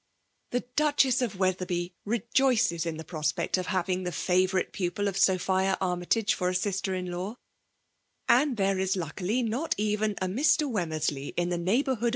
The Duchess of Weiherby rejoices in the prospect of having the favourite pupil of Sophia Army« tage for a sister in law ; and there is luckily not even a Mr. Wemmersley in the neighbour VOL.